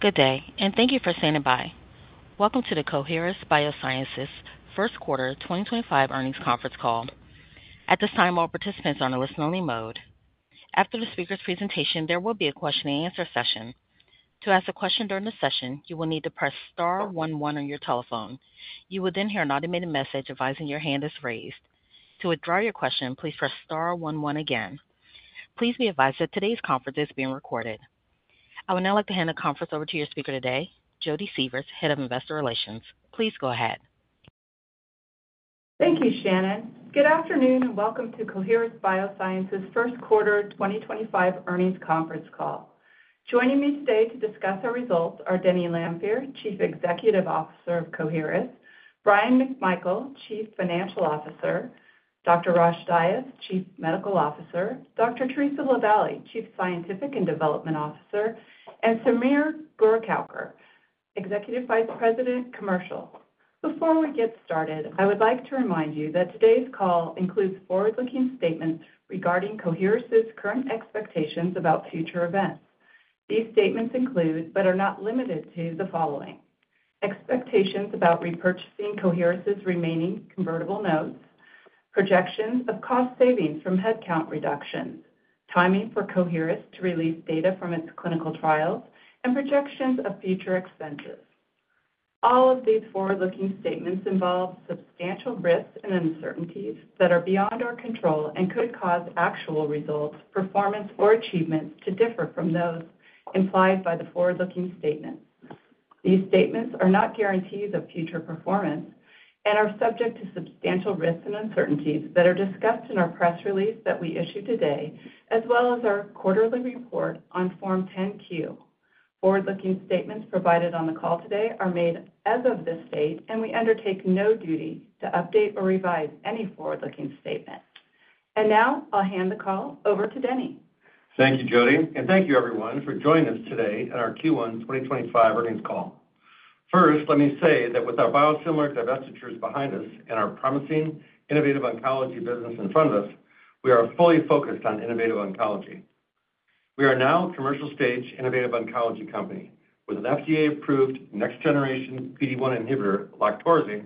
Good day, and thank you for standing by. Welcome to the Coherus Biosciences first quarter 2025 earnings conference call. At this time, all participants are in a listen-only mode. After the speaker's presentation, there will be a question-and-answer session. To ask a question during the session, you will need to press star 11 on your telephone. You will then hear an automated message advising your hand is raised. To withdraw your question, please press star 11 again. Please be advised that today's conference is being recorded. I would now like to hand the conference over to your speaker today, Jodi Sievers, Head of Investor Relations. Please go ahead. Thank you, Shannon. Good afternoon, and welcome to Coherus Biosciences first quarter 2025 earnings conference call. Joining me today to discuss our results are Denny Lanfear, Chief Executive Officer of Coherus; Bryan McMichael, Chief Financial Officer; Dr. Rosh Dias, Chief Medical Officer; Dr. Theresa LaVallee, Chief Scientific and Development Officer; and Sameer Goregaoker, Executive Vice President, Commercial. Before we get started, I would like to remind you that today's call includes forward-looking statements regarding Coherus's current expectations about future events. These statements include, but are not limited to, the following: expectations about repurchasing Coherus's remaining convertible notes, projections of cost savings from headcount reductions, timing for Coherus to release data from its clinical trials, and projections of future expenses. All of these forward-looking statements involve substantial risks and uncertainties that are beyond our control and could cause actual results, performance, or achievements to differ from those implied by the forward-looking statements. These statements are not guarantees of future performance and are subject to substantial risks and uncertainties that are discussed in our press release that we issue today, as well as our quarterly report on Form 10-Q. Forward-looking statements provided on the call today are made as of this date, and we undertake no duty to update or revise any forward-looking statement. I'll hand the call over to Denny. Thank you, Jodi, and thank you, everyone, for joining us today at our Q1 2025 earnings call. First, let me say that with our biosimilar divestitures behind us and our promising innovative oncology business in front of us, we are fully focused on innovative oncology. We are now a commercial-stage innovative oncology company with an FDA-approved next-generation PD-1 inhibitor, LOQTORZI,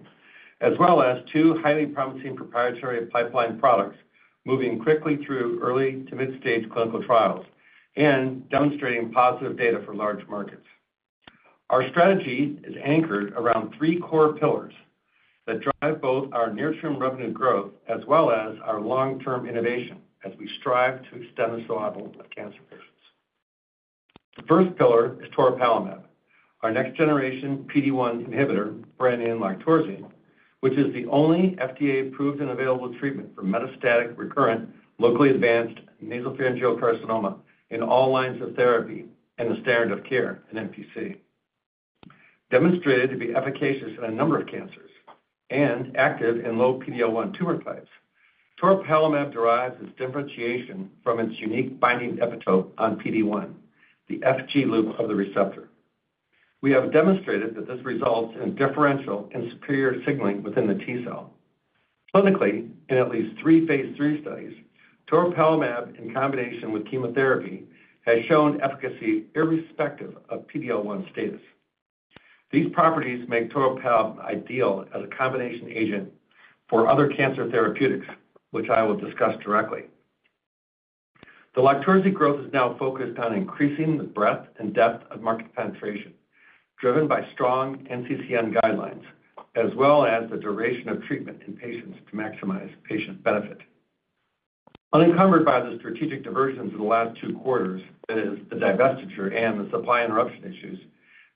as well as two highly promising proprietary pipeline products moving quickly through early to mid-stage clinical trials and demonstrating positive data for large markets. Our strategy is anchored around three core pillars that drive both our near-term revenue growth as well as our long-term innovation as we strive to extend the survival of cancer patients. The first pillar is toripalimab, our next-generation PD-1 inhibitor, brand name LOQTORZI, which is the only FDA-approved and available treatment for metastatic recurrent locally advanced nasopharyngeal carcinoma in all lines of therapy and the standard of care at NPC. Demonstrated to be efficacious in a number of cancers and active in low PD-L1 tumor types, toripalimab derives its differentiation from its unique binding epitope on PD-1, the FG loop of the receptor. We have demonstrated that this results in differential and superior signaling within the T cell. Clinically, in at least three phase III studies, toripalimab in combination with chemotherapy has shown efficacy irrespective of PD-L1 status. These properties make toripalimab ideal as a combination agent for other cancer therapeutics, which I will discuss directly. The LOQTORZI growth is now focused on increasing the breadth and depth of market penetration driven by strong NCCN guidelines, as well as the duration of treatment in patients to maximize patient benefit. Unencumbered by the strategic diversions in the last two quarters, that is, the divestiture and the supply interruption issues,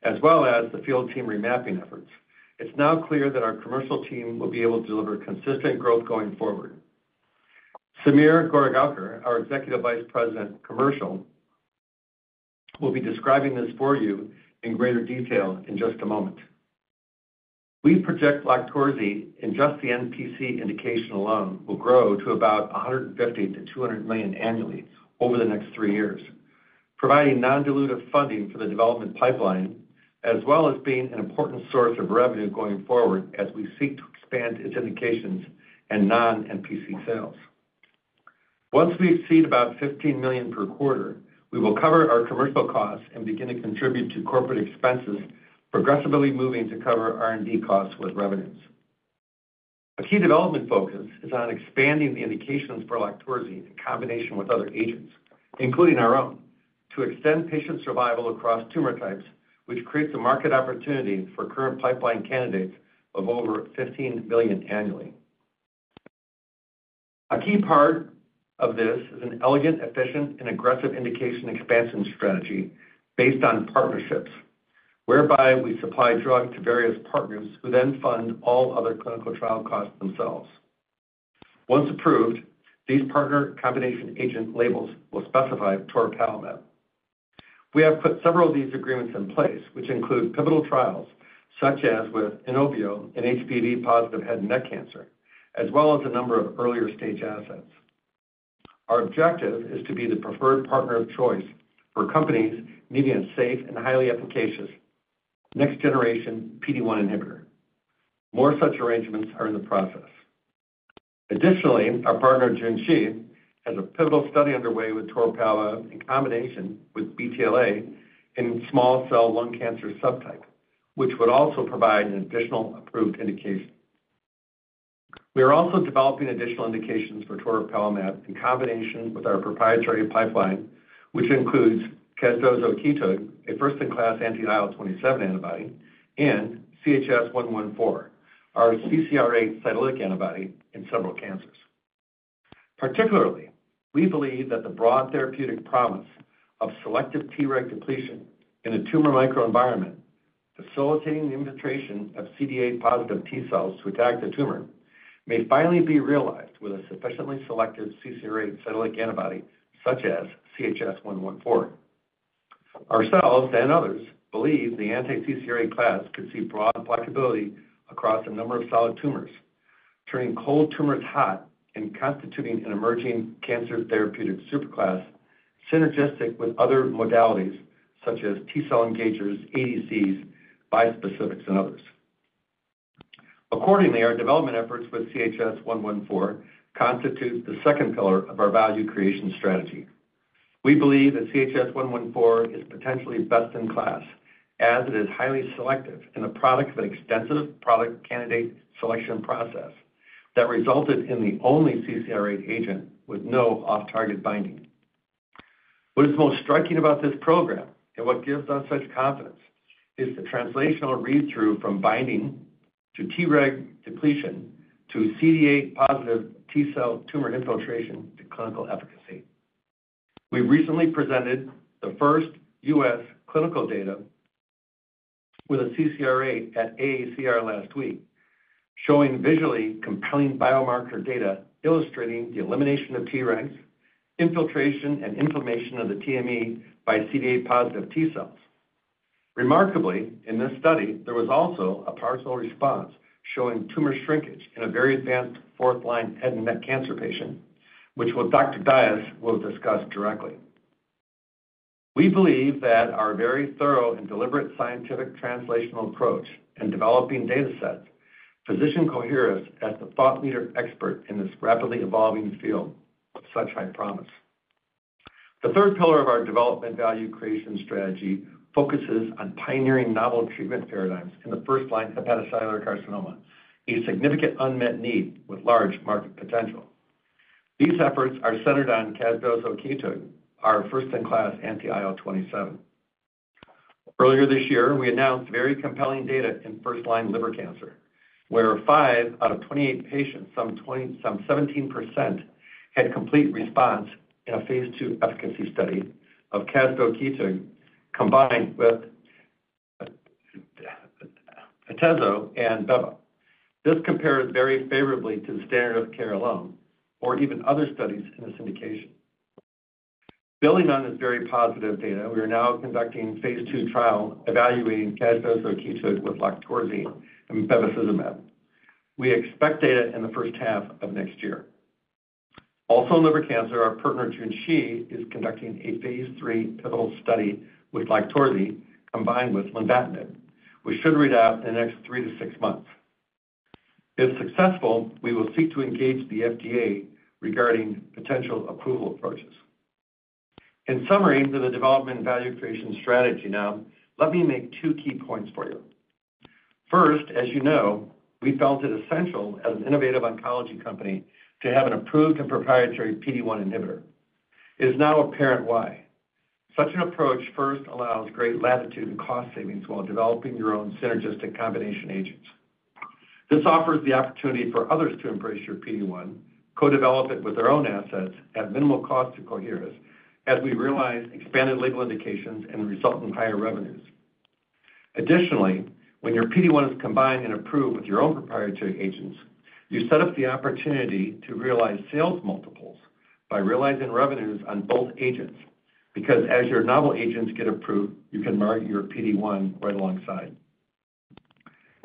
as well as the field team remapping efforts, it is now clear that our commercial team will be able to deliver consistent growth going forward. Sameer Goregaoker, our Executive Vice President, Commercial, will be describing this for you in greater detail in just a moment. We project LOQTORZI in just the NPC indication alone will grow to about $150 million-$200 million annually over the next three years, providing non-dilutive funding for the development pipeline, as well as being an important source of revenue going forward as we seek to expand its indications and non-NPC sales. Once we exceed about $15 million per quarter, we will cover our commercial costs and begin to contribute to corporate expenses, progressively moving to cover R&D costs with revenues. A key development focus is on expanding the indications for LOQTORZI in combination with other agents, including our own, to extend patient survival across tumor types, which creates a market opportunity for current pipeline candidates of over $15 million annually. A key part of this is an elegant, efficient, and aggressive indication expansion strategy based on partnerships, whereby we supply drugs to various partners who then fund all other clinical trial costs themselves. Once approved, these partner combination agent labels will specify toripalimab. We have put several of these agreements in place, which include pivotal trials such as with INOVIO in HPV-positive head and neck cancer, as well as a number of earlier stage assets. Our objective is to be the preferred partner of choice for companies needing a safe and highly efficacious next-generation PD-1 inhibitor. More such arrangements are in the process. Additionally, our partner, Junshi, has a pivotal study underway with toripalimab in combination with BTLA in small cell lung cancer subtype, which would also provide an additional approved indication. We are also developing additional indications for toripalimab in combination with our proprietary pipeline, which includes casdozokitug, a first-in-class anti-IL-27 antibody, and CHS-114, our CCR8 cytolytic antibody in several cancers. Particularly, we believe that the broad therapeutic promise of selective Treg depletion in a tumor microenvironment, facilitating the infiltration of CD8-positive T cells to attack the tumor, may finally be realized with a sufficiently selective CCR8 cytolytic antibody such as CHS-114. Ourselves and others believe the anti-CCR8 class could see broad applicability across a number of solid tumors, turning cold tumors hot and constituting an emerging cancer therapeutic superclass synergistic with other modalities such as T cell engagers, ADCs, bispecifics, and others. Accordingly, our development efforts with CHS-114 constitute the second pillar of our value creation strategy. We believe that CHS-114 is potentially best in class as it is highly selective in the product of an extensive product candidate selection process that resulted in the only CCR8 agent with no off-target binding. What is most striking about this program and what gives us such confidence is the translational read-through from binding to Treg depletion to CD8-positive T cell tumor infiltration to clinical efficacy. We recently presented the first U.S. Clinical data with a CCR8 at AACR last week, showing visually compelling biomarker data illustrating the elimination of Tregs, infiltration, and inflammation of the TME by CD8-positive T cells. Remarkably, in this study, there was also a partial response showing tumor shrinkage in a very advanced fourth-line head and neck cancer patient, which Dr. Dias will discuss directly. We believe that our very thorough and deliberate scientific translational approach and developing data sets position Coherus Oncology as the thought leader expert in this rapidly evolving field of such high promise. The third pillar of our development value creation strategy focuses on pioneering novel treatment paradigms in the first-line hepatocellular carcinoma, a significant unmet need with large market potential. These efforts are centered on casdozokitug, our first-in-class anti-IL-27. Earlier this year, we announced very compelling data in first-line liver cancer, where 5 out of 28 patients, some 17%, had complete response in a phase II efficacy study of casdozokitug combined with atezo and beva. This compares very favorably to the standard of care alone or even other studies in this indication. Building on this very positive data, we are now conducting a phase II trial evaluating casdozokitug with LOQTORZI and bevacizumab. We expect data in the first half of next year. Also, in liver cancer, our partner, Junshi, is conducting a phase III pivotal study with LOQTORZI combined with lenvatinib, which should read out in the next three to six months. If successful, we will seek to engage the FDA regarding potential approval approaches. In summary to the development value creation strategy now, let me make two key points for you. First, as you know, we felt it essential as an innovative oncology company to have an approved and proprietary PD-1 inhibitor. It is now apparent why. Such an approach first allows great latitude and cost savings while developing your own synergistic combination agents. This offers the opportunity for others to embrace your PD-1, co-develop it with their own assets at minimal cost to Coherus, as we realize expanded label indications and resultant higher revenues. Additionally, when your PD-1 is combined and approved with your own proprietary agents, you set up the opportunity to realize sales multiples by realizing revenues on both agents because as your novel agents get approved, you can market your PD-1 right alongside.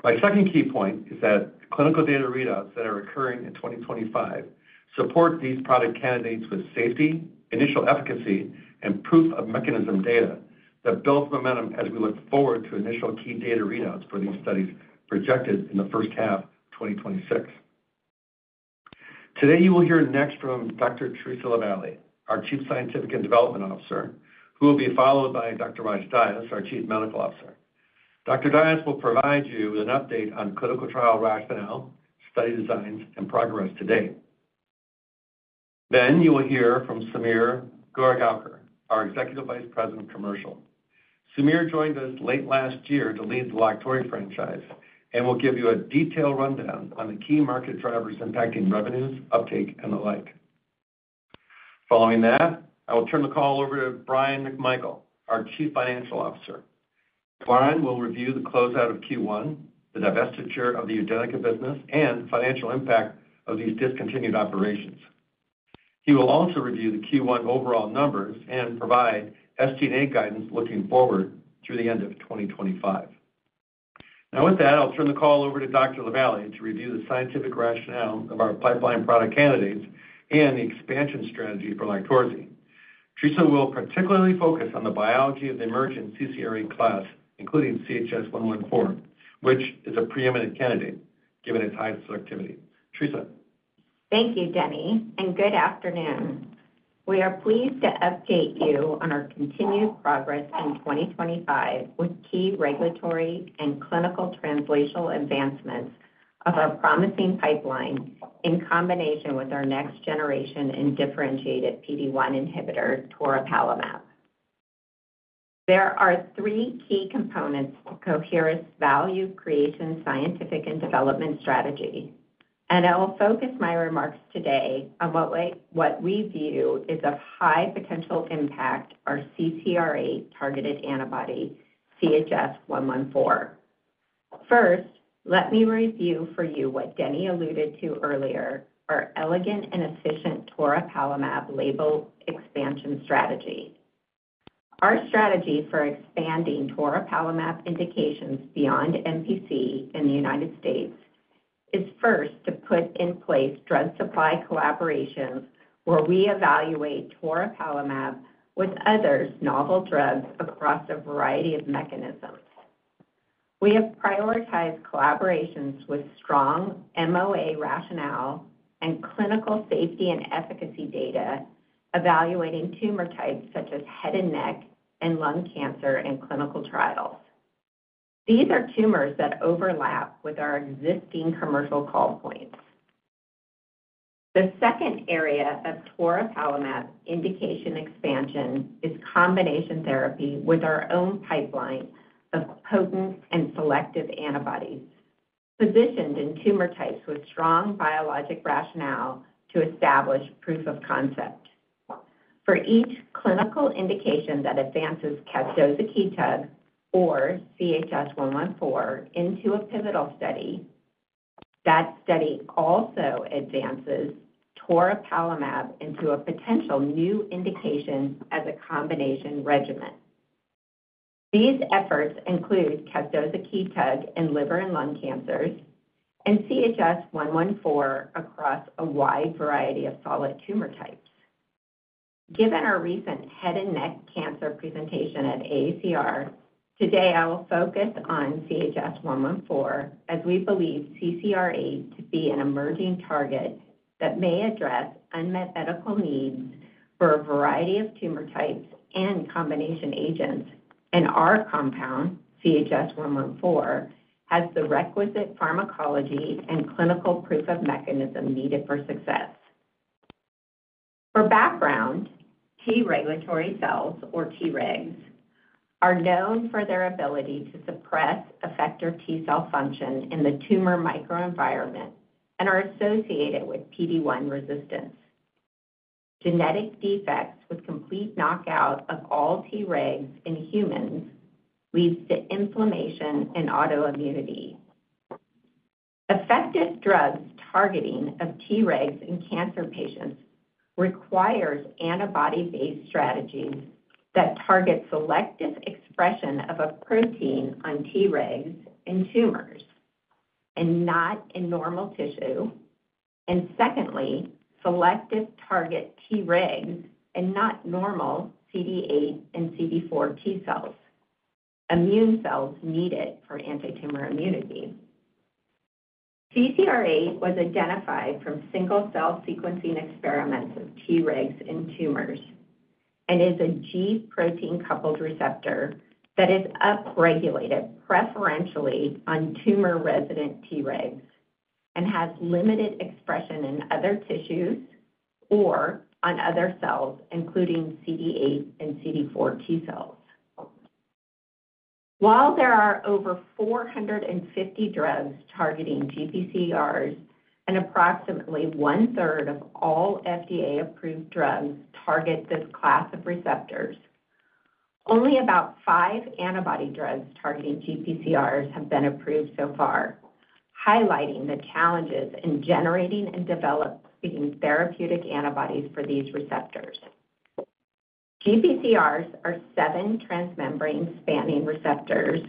My second key point is that clinical data readouts that are occurring in 2025 support these product candidates with safety, initial efficacy, and proof of mechanism data that builds momentum as we look forward to initial key data readouts for these studies projected in the first half of 2026. Today, you will hear next from Dr. Theresa LaVallee, our Chief Scientific and Development Officer, who will be followed by Dr. Rosh Dias, our Chief Medical Officer. Dr. Dias will provide you with an update on clinical trial rationale, study designs, and progress to date. You will hear from Sameer Goregaoker, our Executive Vice President, Commercial. Sameer joined us late last year to lead the LOQTORZI franchise and will give you a detailed rundown on the key market drivers impacting revenues, uptake, and the like. Following that, I will turn the call over to Bryan McMichael, our Chief Financial Officer. Bryan will review the closeout of Q1, the divestiture of the UDENYCA business, and financial impact of these discontinued operations. He will also review the Q1 overall numbers and provide SG&A guidance looking forward through the end of 2025. Now, with that, I'll turn the call over to Dr. LaVallee to review the scientific rationale of our pipeline product candidates and the expansion strategy for LOQTORZI. Theresa will particularly focus on the biology of the emerging CCR8 class, including CHS-114, which is a preeminent candidate given its high selectivity. Theresa. Thank you, Denny, and good afternoon. We are pleased to update you on our continued progress in 2025 with key regulatory and clinical translational advancements of our promising pipeline in combination with our next-generation and differentiated PD-1 inhibitor, toripalimab. There are three key components to Coherus' value creation scientific and development strategy, and I will focus my remarks today on what we view is of high potential impact, our CCR8 targeted antibody, CHS-114. First, let me review for you what Denny alluded to earlier, our elegant and efficient toripalimab label expansion strategy. Our strategy for expanding toripalimab indications beyond NPC in the United States is first to put in place drug supply collaborations where we evaluate toripalimab with others' novel drugs across a variety of mechanisms. We have prioritized collaborations with strong MOA rationale and clinical safety and efficacy data evaluating tumor types such as head and neck and lung cancer in clinical trials. These are tumors that overlap with our existing commercial call points. The second area of toripalimab indication expansion is combination therapy with our own pipeline of potent and selective antibodies positioned in tumor types with strong biologic rationale to establish proof of concept. For each clinical indication that advances casdozokitug or CHS-114 into a pivotal study, that study also advances toripalimab into a potential new indication as a combination regimen. These efforts include casdozokitug in liver and lung cancers and CHS-114 across a wide variety of solid tumor types. Given our recent head and neck cancer presentation at AACR, today I will focus on CHS-114 as we believe CCR8 to be an emerging target that may address unmet medical needs for a variety of tumor types and combination agents, and our compound, CHS-114, has the requisite pharmacology and clinical proof of mechanism needed for success. For background, T regulatory cells, or Tregs, are known for their ability to suppress effector T cell function in the tumor microenvironment and are associated with PD-1 resistance. Genetic defects with complete knockout of all Tregs in humans lead to inflammation and autoimmunity. Effective drug targeting of Tregs in cancer patients requires antibody-based strategies that target selective expression of a protein on Tregs in tumors and not in normal tissue, and secondly, selectively target Tregs and not normal CD8 and CD4 T cells, immune cells needed for anti-tumor immunity. CCR8 was identified from single-cell sequencing experiments of Tregs in tumors and is a G protein-coupled receptor that is upregulated preferentially on tumor-resident Tregs and has limited expression in other tissues or on other cells, including CD8 and CD4 T cells. While there are over 450 drugs targeting GPCRs and approximately one-third of all FDA-approved drugs target this class of receptors, only about five antibody drugs targeting GPCRs have been approved so far, highlighting the challenges in generating and developing therapeutic antibodies for these receptors. GPCRs are seven transmembrane spanning receptors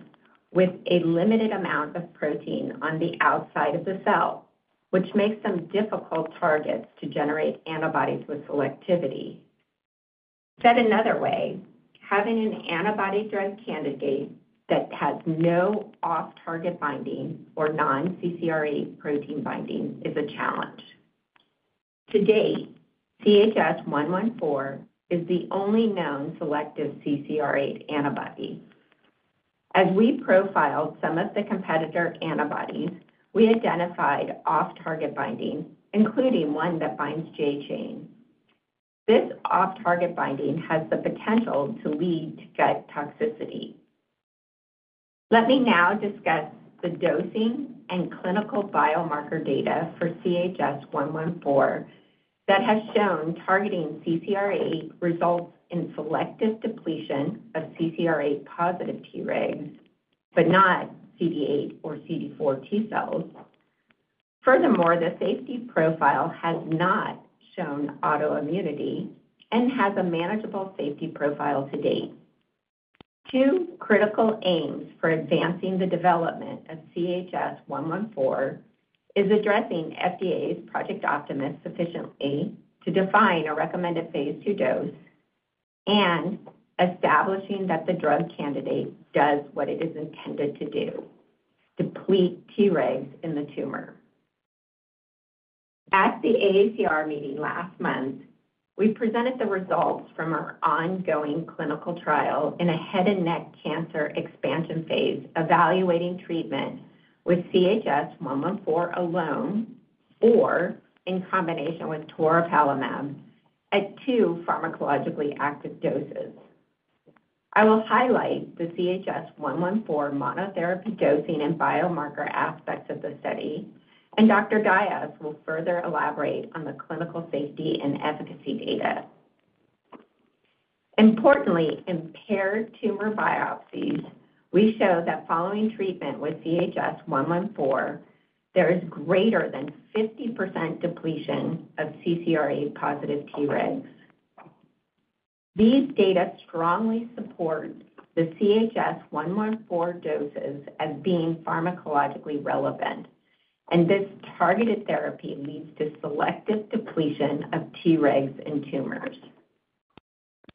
with a limited amount of protein on the outside of the cell, which makes them difficult targets to generate antibodies with selectivity. Said another way, having an antibody drug candidate that has no off-target binding or non-CCR8 protein binding is a challenge. To date, CHS-114 is the only known selective CCR8 antibody. As we profiled some of the competitor antibodies, we identified off-target binding, including one that binds J chain. This off-target binding has the potential to lead to gut toxicity. Let me now discuss the dosing and clinical biomarker data for CHS-114 that has shown targeting CCR8 results in selective depletion of CCR8-positive Tregs, but not CD8 or CD4 T cells. Furthermore, the safety profile has not shown autoimmunity and has a manageable safety profile to date. Two critical aims for advancing the development of CHS-114 are addressing FDA Project Optimus sufficiently to define a recommended phase II dose and establishing that the drug candidate does what it is intended to do: deplete Tregs in the tumor. At the AACR meeting last month, we presented the results from our ongoing clinical trial in a head and neck cancer expansion phase evaluating treatment with CHS-114 alone or in combination with toripalimab at two pharmacologically active doses. I will highlight the CHS-114 monotherapy dosing and biomarker aspects of the study, and Dr. Dias will further elaborate on the clinical safety and efficacy data. Importantly, in paired tumor biopsies, we show that following treatment with CHS-114, there is greater than 50% depletion of CCR8-positive Tregs. These data strongly support the CHS-114 doses as being pharmacologically relevant, and this targeted therapy leads to selective depletion of Tregs in tumors.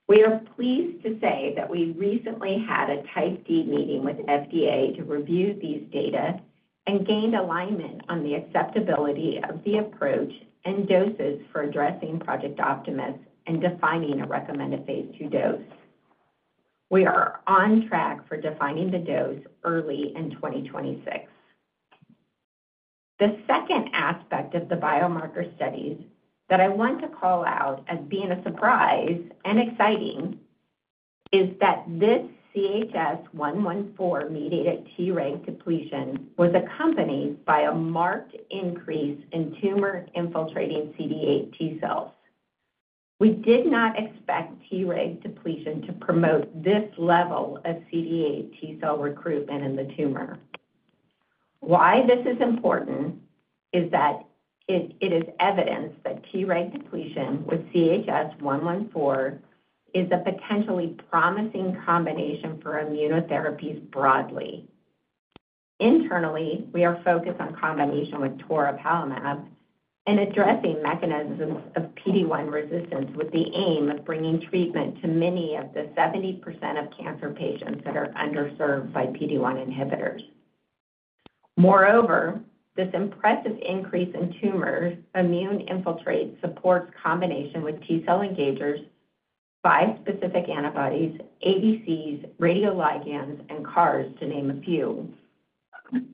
We are pleased to say that we recently had a Type D meeting with FDA to review these data and gained alignment on the acceptability of the approach and doses for addressing Project Optimus and defining a recommended phase II dose. We are on track for defining the dose early in 2026. The second aspect of the biomarker studies that I want to call out as being a surprise and exciting is that this CHS-114-mediated Treg depletion was accompanied by a marked increase in tumor-infiltrating CD8 T cells. We did not expect Treg depletion to promote this level of CD8 T cell recruitment in the tumor. Why this is important is that it is evidence that Treg depletion with CHS-114 is a potentially promising combination for immunotherapies broadly. Internally, we are focused on combination with toripalimab and addressing mechanisms of PD-1 resistance with the aim of bringing treatment to many of the 70% of cancer patients that are underserved by PD-1 inhibitors. Moreover, this impressive increase in tumor immune infiltrate supports combination with T cell engagers, five specific antibodies, ADCs, radioligands, and CARs, to name a few.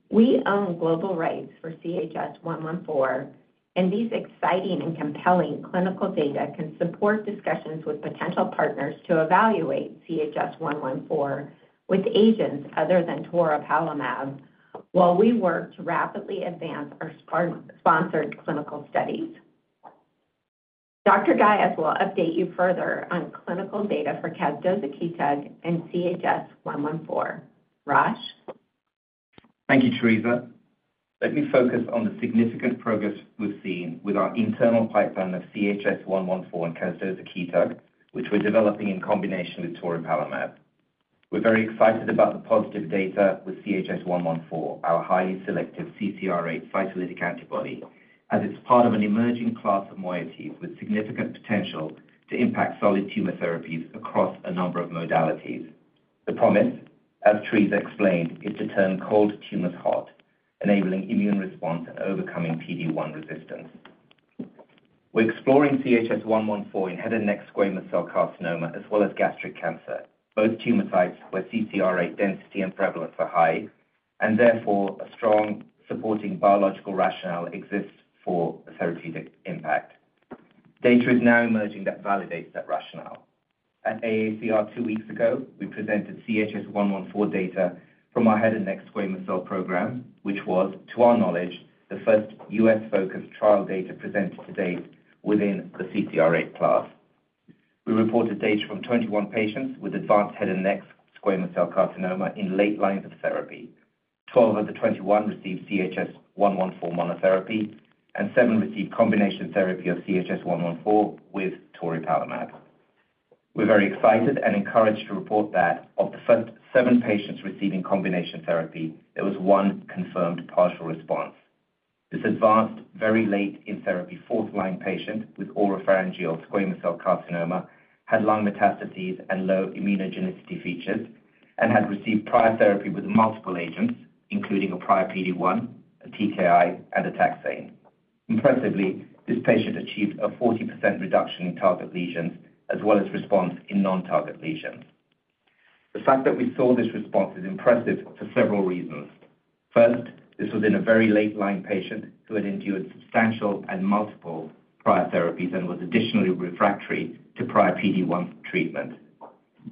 We own global rights for CHS-114, and these exciting and compelling clinical data can support discussions with potential partners to evaluate CHS-114 with agents other than toripalimab while we work to rapidly advance our sponsored clinical studies. Dr. Dias will update you further on clinical data for casdozokitug and CHS-114. Rosh? Thank you, Theresa. Let me focus on the significant progress we've seen with our internal pipeline of CHS-114 and casdozokitug, which we're developing in combination with toripalimab. We're very excited about the positive data with CHS-114, our highly selective CCR8 cytolytic antibody, as it's part of an emerging class of moieties with significant potential to impact solid tumor therapies across a number of modalities. The promise, as Theresa explained, is to turn cold tumors hot, enabling immune response and overcoming PD-1 resistance. We're exploring CHS-114 in head and neck squamous cell carcinoma as well as gastric cancer, both tumor sites where CCR8 density and prevalence are high, and therefore a strong supporting biological rationale exists for the therapeutic impact. Data is now emerging that validates that rationale. At AACR two weeks ago, we presented CHS-114 data from our head and neck squamous cell program, which was, to our knowledge, the first U.S.-focused trial data presented to date within the CCR8 class. We reported data from 21 patients with advanced head and neck squamous cell carcinoma in late lines of therapy. Twelve of the 21 received CHS-114 monotherapy, and seven received combination therapy of CHS-114 with toripalimab. We're very excited and encouraged to report that of the first seven patients receiving combination therapy, there was one confirmed partial response. This advanced, very late in therapy fourth-line patient with oropharyngeal squamous cell carcinoma had lung metastases and low immunogenicity features and had received prior therapy with multiple agents, including a prior PD-1, a TKI, and a taxane. Impressively, this patient achieved a 40% reduction in target lesions as well as response in non-target lesions. The fact that we saw this response is impressive for several reasons. First, this was in a very late-line patient who had endured substantial and multiple prior therapies and was additionally refractory to prior PD-1 treatment.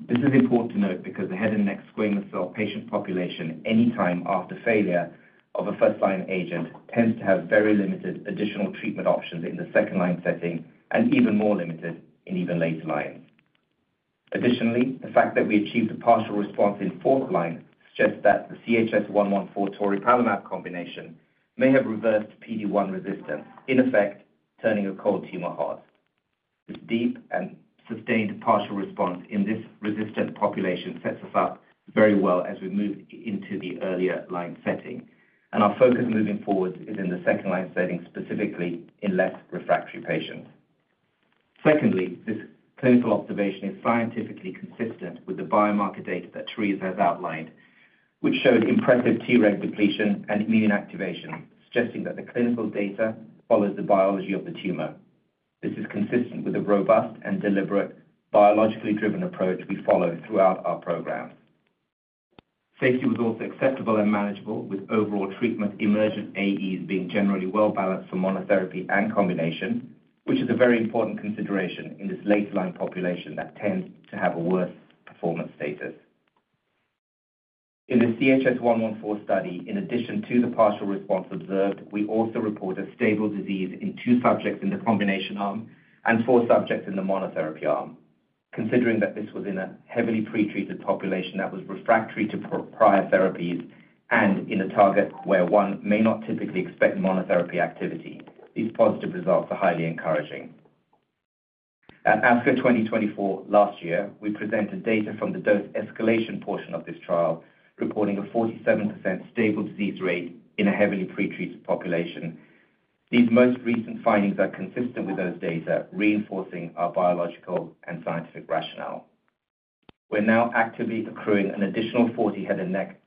This is important to note because the head and neck squamous cell patient population any time after failure of a first-line agent tends to have very limited additional treatment options in the second-line setting and even more limited in even later lines. Additionally, the fact that we achieved a partial response in fourth line suggests that the CHS-114-toripalimab combination may have reversed PD-1 resistance, in effect, turning a cold tumor hot. This deep and sustained partial response in this resistant population sets us up very well as we move into the earlier line setting, and our focus moving forward is in the second-line setting, specifically in less refractory patients. Secondly, this clinical observation is scientifically consistent with the biomarker data that Theresa has outlined, which showed impressive Treg depletion and immune activation, suggesting that the clinical data follows the biology of the tumor. This is consistent with the robust and deliberate biologically driven approach we follow throughout our program. Safety was also acceptable and manageable, with overall treatment emergent AEs being generally well-balanced for monotherapy and combination, which is a very important consideration in this late-line population that tends to have a worse performance status. In the CHS-114 study, in addition to the partial response observed, we also reported stable disease in two subjects in the combination arm and four subjects in the monotherapy arm. Considering that this was in a heavily pretreated population that was refractory to prior therapies and in a target where one may not typically expect monotherapy activity, these positive results are highly encouraging. At ASCO 2024 last year, we presented data from the dose escalation portion of this trial, reporting a 47% stable disease rate in a heavily pretreated population. These most recent findings are consistent with those data, reinforcing our biological and scientific rationale. We're now actively accruing an additional 40 head and neck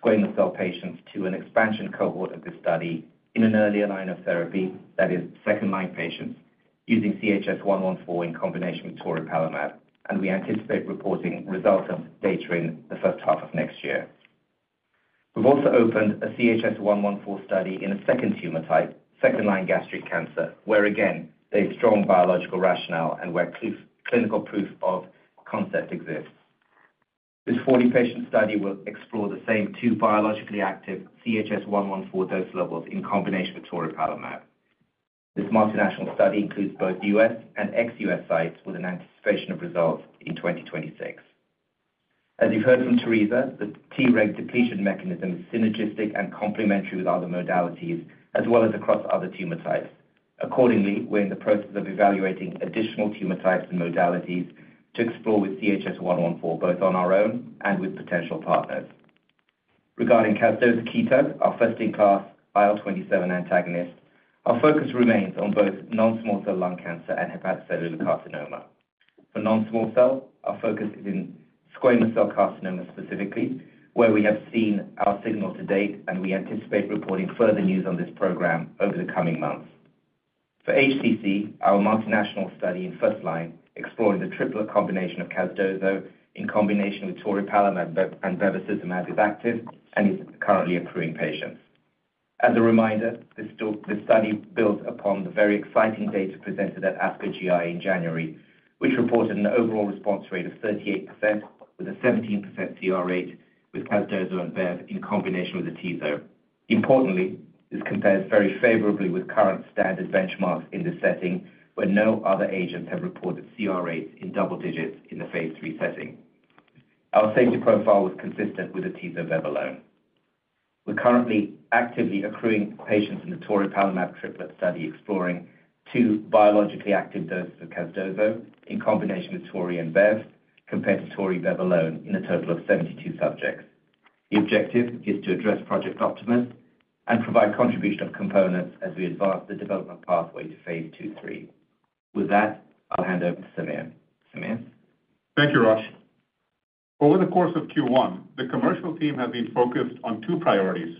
squamous cell patients to an expansion cohort of this study in an earlier line of therapy, that is, second-line patients using CHS-114 in combination with toripalimab, and we anticipate reporting results of this data in the first half of next year. We've also opened a CHS-114 study in a second tumor type, second-line gastric cancer, where again, there is strong biological rationale and where clinical proof of concept exists. This 40-patient study will explore the same two biologically active CHS-114 dose levels in combination with toripalimab. This multinational study includes both U.S. and ex-U.S. sites with an anticipation of results in 2026. As you've heard from Theresa, the Treg depletion mechanism is synergistic and complementary with other modalities, as well as across other tumor types. Accordingly, we're in the process of evaluating additional tumor types and modalities to explore with CHS-114, both on our own and with potential partners. Regarding casdozokitug, our first-in-class IL-27 antagonist, our focus remains on both non-small cell lung cancer and hepatocellular carcinoma. For non-small cell, our focus is in squamous cell carcinoma specifically, where we have seen our signal to date, and we anticipate reporting further news on this program over the coming months. For HCC, our multinational study in first line explored the triplet combination of casdozokitug in combination with toripalimab and bevacizumab as active and is currently accruing patients. As a reminder, this study builds upon the very exciting data presented at ASCO GI in January, which reported an overall response rate of 38% with a 17% CR rate with casdozokitug and bevacizumab in combination with atezolizumab. Importantly, this compares very favorably with current standard benchmarks in this setting, where no other agents have reported CR rates in double digits in the phase III setting. Our safety profile was consistent with the atezolizumab bevacizumab alone. We're currently actively accruing patients in the toripalimab triplet study exploring two biologically active doses of casdozokitug in combination with toripalimab and bevacizumab, compared to toripalimab-bevacizumab alone in a total of 72 subjects. The objective is to address Project Optimus and provide contribution of components as we advance the development pathway to phase II/III. With that, I'll hand over to Sameer. Sameer? Thank you, Rosh. Over the course of Q1, the commercial team has been focused on two priorities.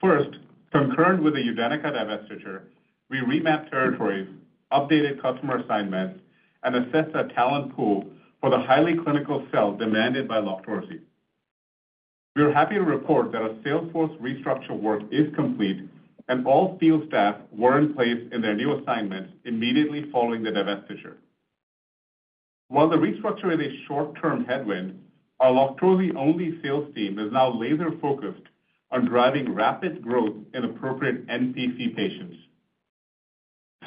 First, concurrent with the UDENYCA divestiture, we remapped territories, updated customer assignments, and assessed a talent pool for the highly clinical sell demanded by LOQTORZI. We're happy to report that our Salesforce restructure work is complete, and all field staff were in place in their new assignments immediately following the divestiture. While the restructure is a short-term headwind, our LOQTORZI-only sales team is now laser-focused on driving rapid growth in appropriate NPC patients.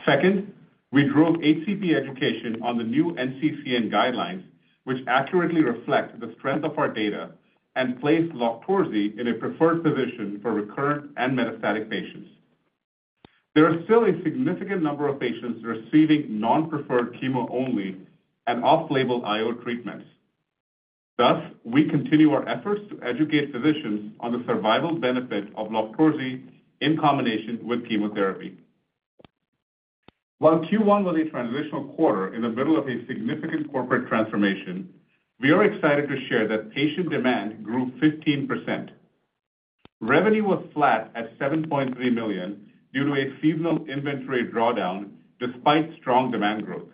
Second, we drove HCP education on the new NCCN guidelines, which accurately reflect the strength of our data and place LOQTORZI in a preferred position for recurrent and metastatic patients. There are still a significant number of patients receiving non-preferred chemo only and off-label IO treatments. Thus, we continue our efforts to educate physicians on the survival benefit of LOQTORZI in combination with chemotherapy. While Q1 was a transitional quarter in the middle of a significant corporate transformation, we are excited to share that patient demand grew 15%. Revenue was flat at $7.3 million due to a seasonal inventory drawdown despite strong demand growth.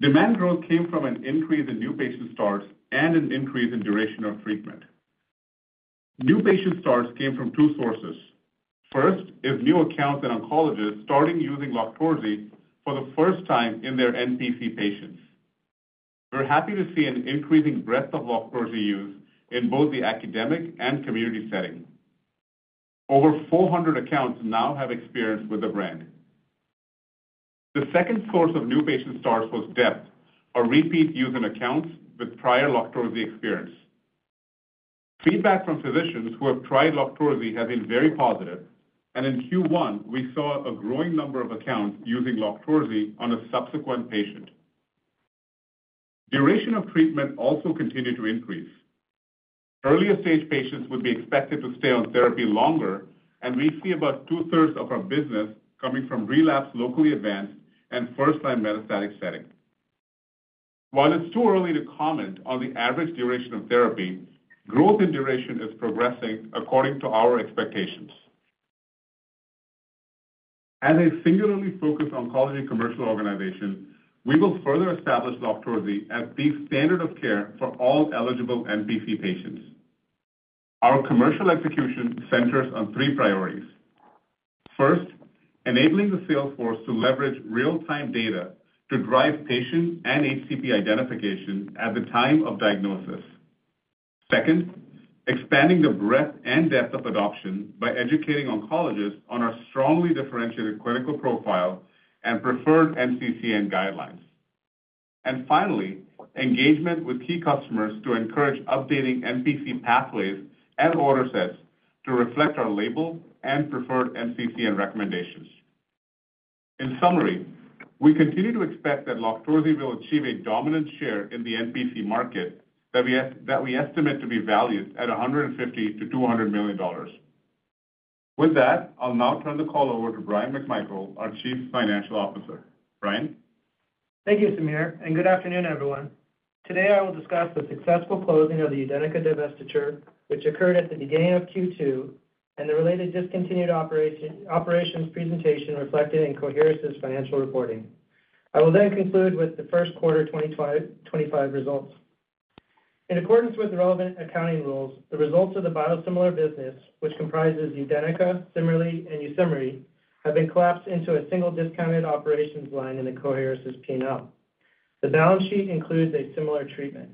Demand growth came from an increase in new patient starts and an increase in duration of treatment. New patient starts came from two sources. First is new accounts and oncologists starting using LOQTORZI for the first time in their NPC patients. We're happy to see an increasing breadth of LOQTORZI use in both the academic and community setting. Over 400 accounts now have experience with the brand. The second source of new patient starts was depth, a repeat use in accounts with prior LOQTORZI experience. Feedback from physicians who have tried LOQTORZI has been very positive, and in Q1, we saw a growing number of accounts using LOQTORZI on a subsequent patient. Duration of treatment also continued to increase. Earlier stage patients would be expected to stay on therapy longer, and we see about two-thirds of our business coming from relapsed locally advanced and first-line metastatic setting. While it is too early to comment on the average duration of therapy, growth in duration is progressing according to our expectations. As a singularly focused oncology commercial organization, we will further establish LOQTORZI as the standard of care for all eligible NPC patients. Our commercial execution centers on three priorities. First, enabling the Salesforce to leverage real-time data to drive patient and HCP identification at the time of diagnosis. Second, expanding the breadth and depth of adoption by educating oncologists on our strongly differentiated clinical profile and preferred NCCN guidelines. Finally, engagement with key customers to encourage updating NPC pathways and order sets to reflect our label and preferred NCCN recommendations. In summary, we continue to expect that LOQTORZI will achieve a dominant share in the NPC market that we estimate to be valued at $150 million-$200 million. With that, I'll now turn the call over to Bryan McMichael, our Chief Financial Officer. Bryan? Thank you,, and good afternoon, everyone. Today, I will discuss the successful closing of the UDENYCA divestiture, which occurred at the beginning of Q2, and the related discontinued operations presentation reflected in Coherus' financial reporting. I will then conclude with the first quarter 2025 results. In accordance with the relevant accounting rules, the results of the biosimilar business, which comprises UDENYCA, CIMERLI, and YUSIMRY, have been collapsed into a single discontinued operations line in the Coherus' P&L. The balance sheet includes a similar treatment.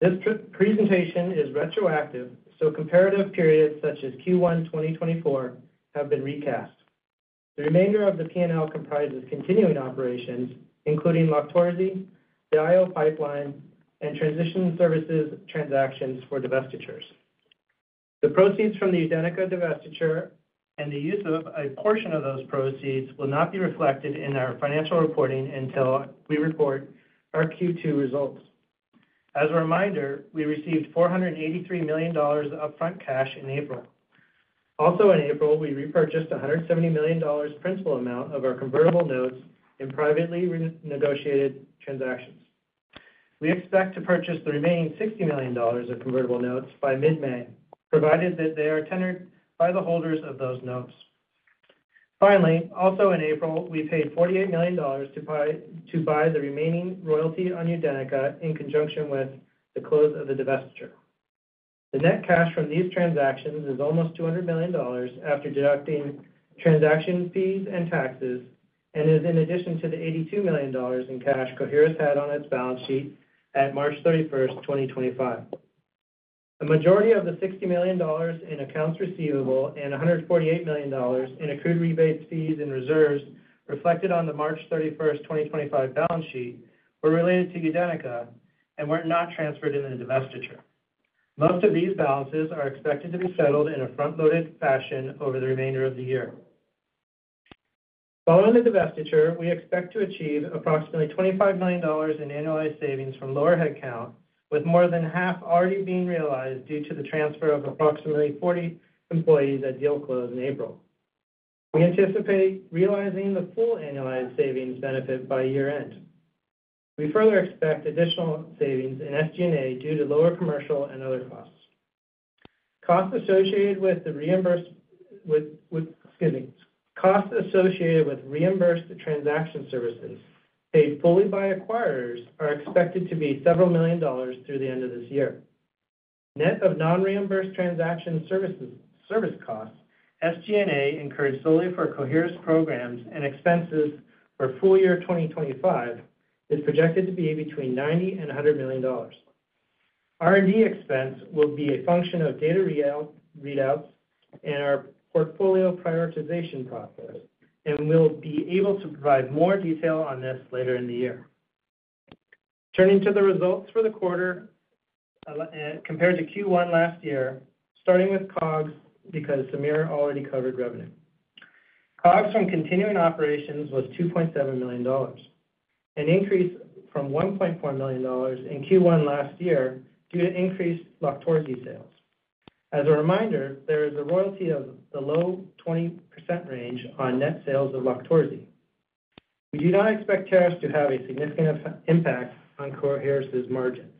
This presentation is retroactive, so comparative periods such as Q1 2024 have been recast. The remainder of the P&L comprises continuing operations, including LOQTORZI, the IO pipeline, and transition services transactions for divestitures. The proceeds from the UDENYCA divestiture and the use of a portion of those proceeds will not be reflected in our financial reporting until we report our Q2 results. As a reminder, we received $483 million of upfront cash in April. Also, in April, we repurchased $170 million principal amount of our convertible notes in privately renegotiated transactions. We expect to purchase the remaining $60 million of convertible notes by mid-May, provided that they are tendered by the holders of those notes. Finally, also in April, we paid $48 million to buy the remaining royalty on UDENYCA in conjunction with the close of the divestiture. The net cash from these transactions is almost $200 million after deducting transaction fees and taxes, and is in addition to the $82 million in cash Coherus had on its balance sheet at March 31, 2025. A majority of the $60 million in accounts receivable and $148 million in accrued rebate fees and reserves reflected on the March 31, 2025 balance sheet were related to UDENYCA and were not transferred in the divestiture. Most of these balances are expected to be settled in a front-loaded fashion over the remainder of the year. Following the divestiture, we expect to achieve approximately $25 million in annualized savings from lower headcount, with more than half already being realized due to the transfer of approximately 40 employees at deal close in April. We anticipate realizing the full annualized savings benefit by year-end. We further expect additional savings in SG&A due to lower commercial and other costs. Costs associated with the reimbursed, excuse me, costs associated with reimbursed transaction services paid fully by acquirers are expected to be several million dollars through the end of this year. Net of non-reimbursed transaction service costs, SG&A incurred solely for Coherus programs and expenses for full year 2025 is projected to be between $90 million and $100 million. R&D expense will be a function of data readouts and our portfolio prioritization process, and we'll be able to provide more detail on this later in the year. Turning to the results for the quarter compared to Q1 last year, starting with COGS because Sameer already covered revenue. COGS from continuing operations was $2.7 million, an increase from $1.4 million in Q1 last year due to increased LOQTORZI sales. As a reminder, there is a royalty of the low 20% range on net sales of LOQTORZI. We do not expect tariffs to have a significant impact on Coherus' margins.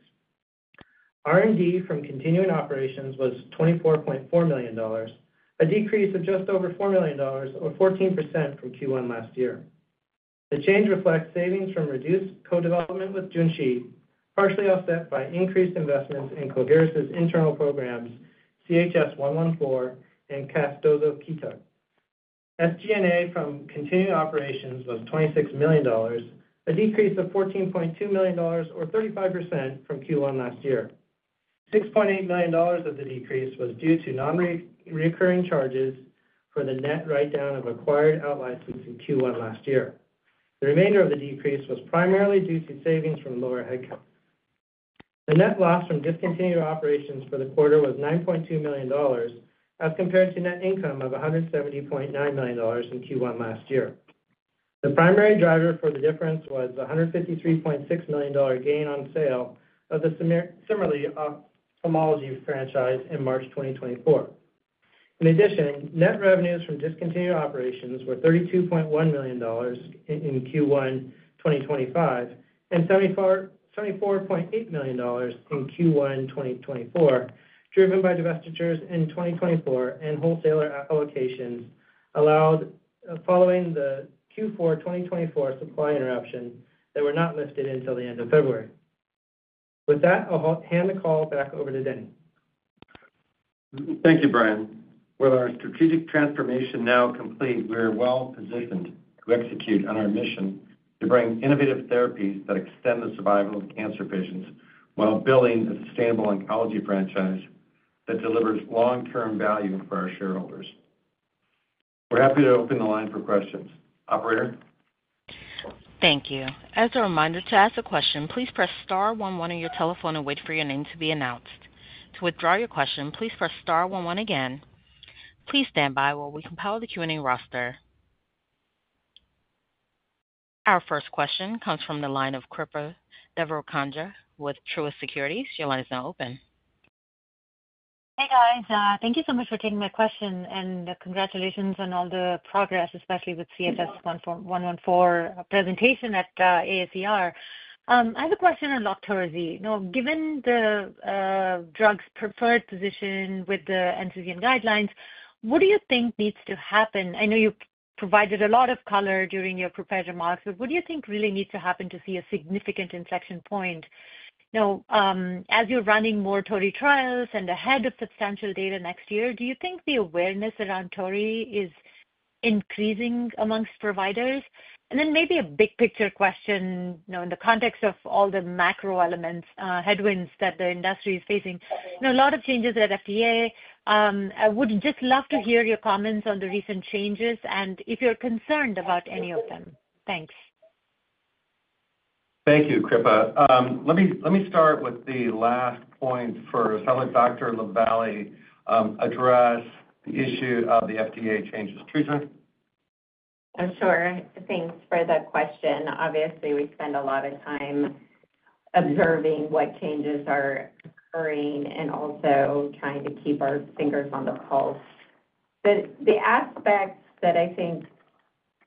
R&D from continuing operations was $24.4 million, a decrease of just over $4 million, or 14% from Q1 last year. The change reflects savings from reduced co-development with Junshi, partially offset by increased investments in Coherus' internal programs, CHS-114, and casdozokitug. SG&A from continuing operations was $26 million, a decrease of $14.2 million, or 35% from Q1 last year. $6.8 million of the decrease was due to non-recurring charges for the net write-down of acquired out licensing Q1 last year. The remainder of the decrease was primarily due to savings from lower headcount. The net loss from discontinued operations for the quarter was $9.2 million, as compared to net income of $170.9 million in Q1 last year. The primary driver for the difference was $153.6 million gain on sale of the CIMERLI Ophthalmology franchise in March 2024. In addition, net revenues from discontinued operations were $32.1 million in Q1 2025 and $74.8 million in Q1 2024, driven by divestitures in 2024 and wholesaler allocations allowed following the Q4 2024 supply interruption that were not lifted until the end of February. With that, I'll hand the call back over to Denny. Thank you, Bryan. With our strategic transformation now complete, we're well positioned to execute on our mission to bring innovative therapies that extend the survival of cancer patients while building a sustainable oncology franchise that delivers long-term value for our shareholders. We're happy to open the line for questions. Operator? Thank you. As a reminder to ask a question, please press star 11 on your telephone and wait for your name to be announced. To withdraw your question, please press star 11 again. Please stand by while we compile the Q&A roster. Our first question comes from the line of Kripa Devarakonda with Truist Securities. Your line is now open. Hey, guys. Thank you so much for taking my question, and congratulations on all the progress, especially with CHS-114 presentation at ASCO. I have a question on LOQTORZI. Given the drug's preferred position with the NCCN Guidelines, what do you think needs to happen? I know you provided a lot of color during your prepared remarks, but what do you think really needs to happen to see a significant inflection point? Now, as you're running more toripalimab trials and ahead of substantial data next year, do you think the awareness around toripalimab is increasing amongst providers? And then maybe a big picture question in the context of all the macro elements, headwinds that the industry is facing. A lot of changes at FDA. I would just love to hear your comments on the recent changes and if you're concerned about any of them. Thanks. Thank you, Kripa. Let me start with the last point first. How would Dr. LaVallee address the issue of the FDA changes? Treasurer? I'm sure. Thanks for that question. Obviously, we spend a lot of time observing what changes are occurring and also trying to keep our fingers on the pulse. The aspects that I think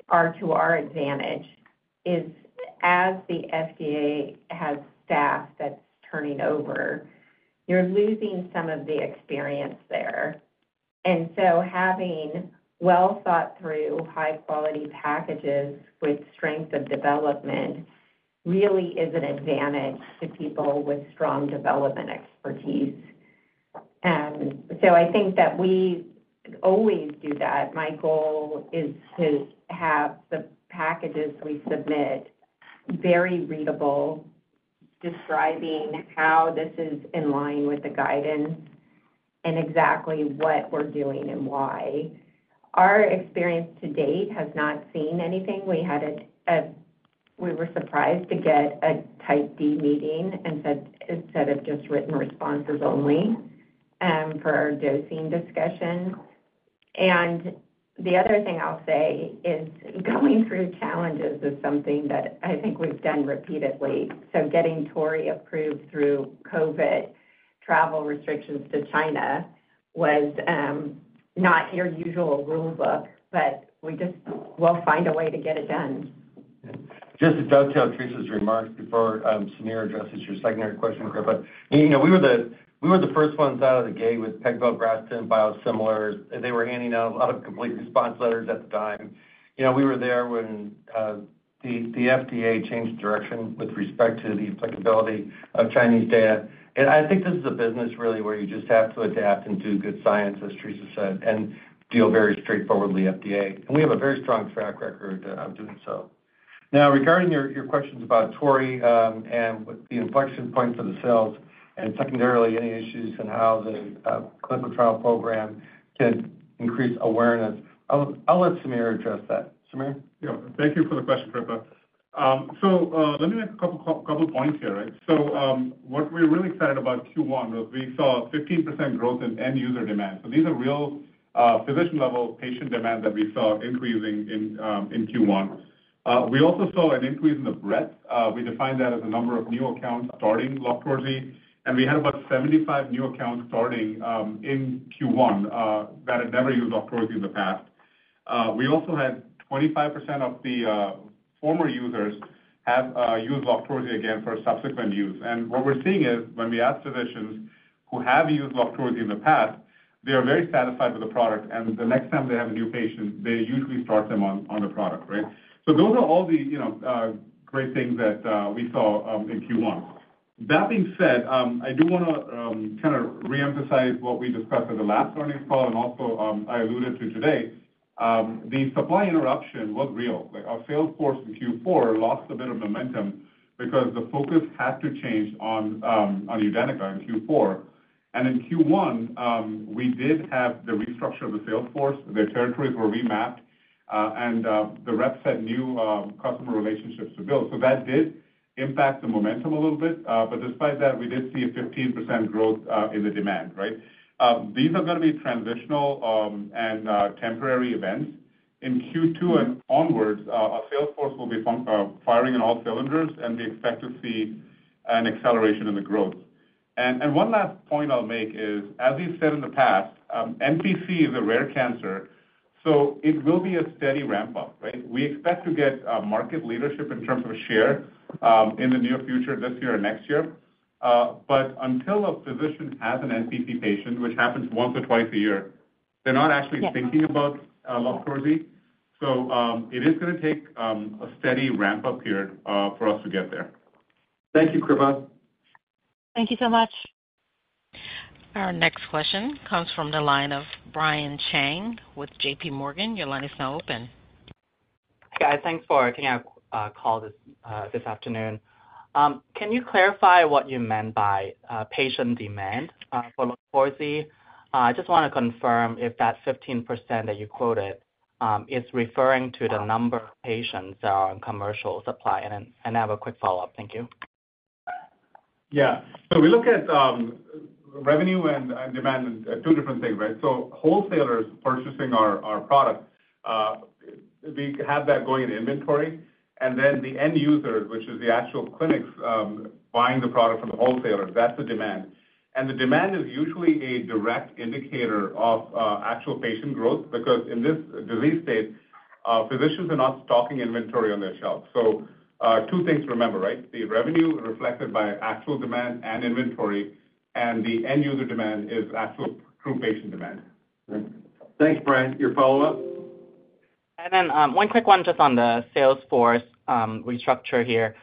are to our advantage is, as the FDA has staff that's turning over, you're losing some of the experience there. Having well-thought-through, high-quality packages with strength of development really is an advantage to people with strong development expertise. I think that we always do that. My goal is to have the packages we submit very readable, describing how this is in line with the guidance and exactly what we're doing and why. Our experience to date has not seen anything. We were surprised to get a Type D meeting instead of just written responses only for our dosing discussion. The other thing I'll say is going through challenges is something that I think we've done repeatedly. Getting toripalimab approved through COVID travel restrictions to China was not your usual rule book, but we just will find a way to get it done. Just to dovetail Theresa's remarks before Sameer addresses your secondary question, Kripa, we were the first ones out of the gate with pegfilgrastim and biosimilars. They were handing out a lot of complete response letters at the time. We were there when the FDA changed direction with respect to the applicability of Chinese data. I think this is a business really where you just have to adapt and do good science, as Theresa has said, and deal very straightforwardly with the FDA. We have a very strong track record of doing so. Now, regarding your questions about toripalimab and the inflection point for the sales and secondarily any issues in how the clinical trial program can increase awareness, I'll let Sameer address that. Sameer? Yeah. Thank you for the question, Kripa. Let me make a couple of points here. What we're really excited about in Q1 was we saw 15% growth in end user demand. These are real physician-level patient demand that we saw increasing in Q1. We also saw an increase in the breadth. We define that as the number of new accounts starting LOQTORZI, and we had about 75 new accounts starting in Q1 that had never used LOQTORZI in the past. We also had 25% of the former users have used LOQTORZI again for subsequent use. What we're seeing is when we ask physicians who have used LOQTORZI in the past, they are very satisfied with the product, and the next time they have a new patient, they usually start them on the product, right? Those are all the great things that we saw in Q1. That being said, I do want to kind of reemphasize what we discussed at the last earnings call, and also I alluded to today. The supply interruption was real. Our sales force in Q4 lost a bit of momentum because the focus had to change on UDENYCA in Q4. In Q1, we did have the restructure of the sales force. The territories were remapped, and the reps had new customer relationships to build. That did impact the momentum a little bit, but despite that, we did see a 15% growth in the demand, right? These are going to be transitional and temporary events. In Q2 and onwards, our sales force will be firing on all cylinders, and we expect to see an acceleration in the growth. One last point I'll make is, as we've said in the past, NPC is a rare cancer, so it will be a steady ramp-up, right? We expect to get market leadership in terms of share in the near future, this year and next year. Until a physician has an NPC patient, which happens once or twice a year, they're not actually thinking about LOQTORZI. It is going to take a steady ramp-up here for us to get there. Thank you, Kripa. Thank you so much. Our next question comes from the line of Brian Chang with JPMorgan. Your line is now open. Hi, guys. Thanks for taking our call this afternoon. Can you clarify what you meant by patient demand for LOQTORZI? I just want to confirm if that 15% that you quoted is referring to the number of patients that are on commercial supply. I have a quick follow-up. Thank you. Yeah. We look at revenue and demand as two different things, right? Wholesalers purchasing our product, we have that going in inventory, and then the end users, which is the actual clinics buying the product from the wholesalers, that's the demand. The demand is usually a direct indicator of actual patient growth because in this disease state, physicians are not stocking inventory on their shelves. Two things to remember, right? The revenue reflected by actual demand and inventory, and the end user demand is actual true patient demand. Thanks, Brian. Your follow-up? One quick one just on the sales force restructure here.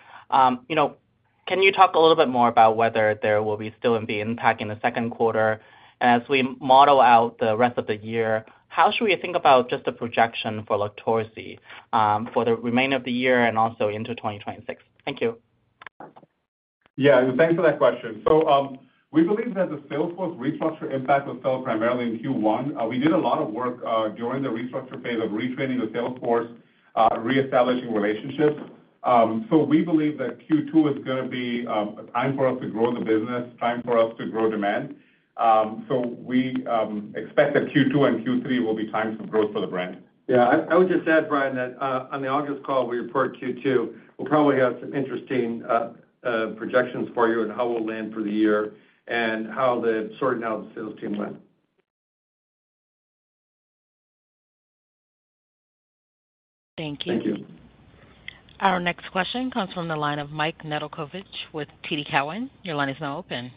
Can you talk a little bit more about whether there will still be impact in the second quarter? As we model out the rest of the year, how should we think about just the projection for LOQTORZI for the remainder of the year and also into 2026? Thank you. Yeah. Thanks for that question. We believe that the sales force restructure impact was felt primarily in Q1. We did a lot of work during the restructure phase of retraining the sales force, reestablishing relationships. We believe that Q2 is going to be a time for us to grow the business, time for us to grow demand. We expect that Q2 and Q3 will be times of growth for the brand. Yeah. I would just add, Brian, that on the August call, we report Q2. We'll probably have some interesting projections for you on how we'll land for the year and how the sorting out of the sales team went. Thank you. Thank you. Our next question comes from the line of Mike Nedelcovych with TD Cowen. Your line is now open.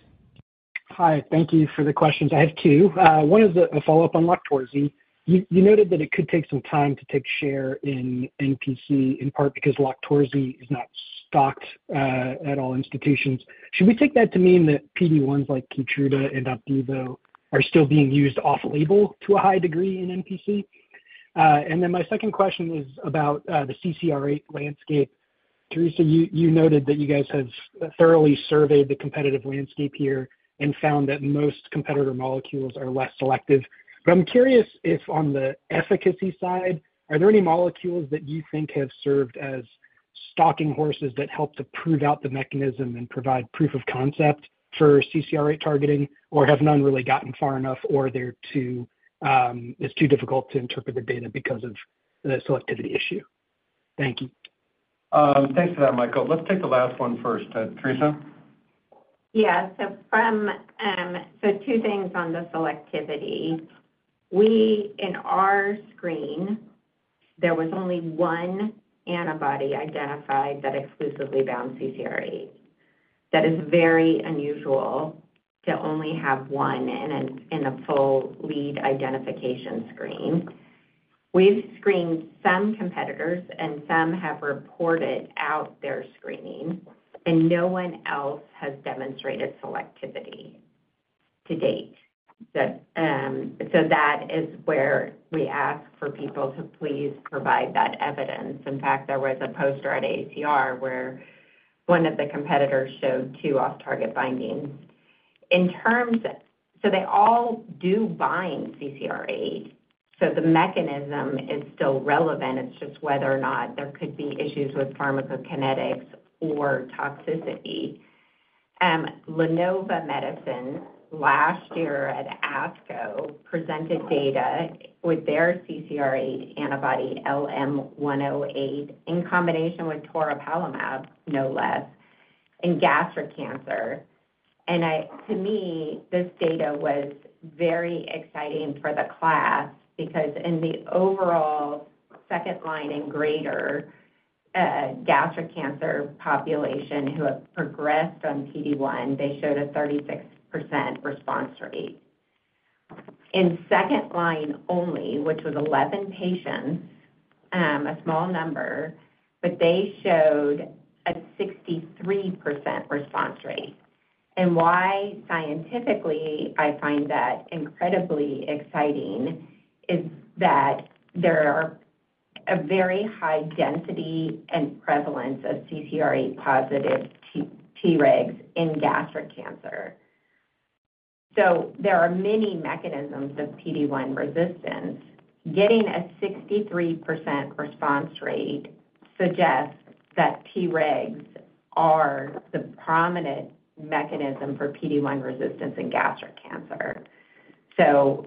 Hi. Thank you for the questions. I have two. One is a follow-up on LOQTORZI. You noted that it could take some time to take share in NPC, in part because LOQTORZI is not stocked at all institutions. Should we take that to mean that PD-1s like Keytruda and Opdivo are still being used off-label to a high degree in NPC? My second question is about the CCR8 landscape. Theresa, you noted that you guys have thoroughly surveyed the competitive landscape here and found that most competitor molecules are less selective. I'm curious if on the efficacy side, are there any molecules that you think have served as stalking horses that help to prove out the mechanism and provide proof of concept for CCR8 targeting, or have none really gotten far enough, or it's too difficult to interpret the data because of the selectivity issue? Thank you. Thanks for that, Michael. Let's take the last one first, Theresa. Yeah. Two things on the selectivity. In our screen, there was only one antibody identified that exclusively bound CCR8. That is very unusual to only have one in a full lead identification screen. We've screened some competitors, and some have reported out their screening, and no one else has demonstrated selectivity to date. That is where we ask for people to please provide that evidence. In fact, there was a poster at AACR where one of the competitors showed two off-target bindings. They all do bind CCR8, so the mechanism is still relevant. It's just whether or not there could be issues with pharmacokinetics or toxicity. LaNova Medicines, last year at ASCO, presented data with their CCR8 antibody LM-108 in combination with toripalimab, no less, in gastric cancer. To me, this data was very exciting for the class because in the overall second line and greater gastric cancer population who have progressed on PD-1, they showed a 36% response rate. In second line only, which was 11 patients, a small number, but they showed a 63% response rate. Why scientifically I find that incredibly exciting is that there are a very high density and prevalence of CCR8-positive Tregs in gastric cancer. There are many mechanisms of PD-1 resistance. Getting a 63% response rate suggests that Tregs are the prominent mechanism for PD-1 resistance in gastric cancer.